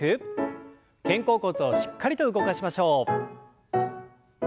肩甲骨をしっかりと動かしましょう。